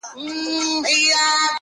جهاني ماته مي نیکونو په سبق ښودلي!!